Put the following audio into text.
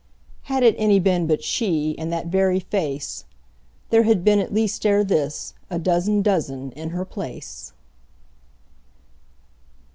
Had it any been but she, And that very face, There had been at least ere thisA dozen dozen in her place.